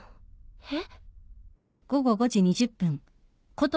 えっ？